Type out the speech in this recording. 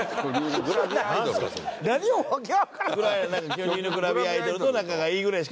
巨乳のグラビアアイドルと仲がいいぐらいしか。